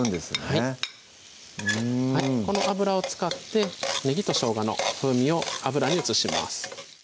はいこの油を使ってねぎとしょうがの風味を油に移します